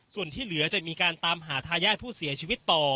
ส่วนที่เหลือจะมีการตามหาทายาทผู้เสียชีวิตต่อ